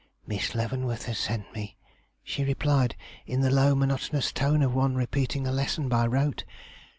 'Miss Leavenworth has sent me,' she replied, in the low, monotonous tone of one repeating a lesson by rote.